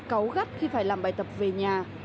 cáu gắt khi phải làm bài tập về nhà